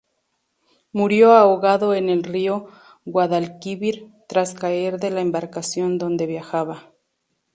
Murió ahogado en el río Guadalquivir, tras caer de la embarcación donde viajaba.